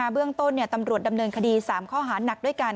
เบื้องต้นตำรวจดำเนินคดี๓ข้อหาหนักด้วยกัน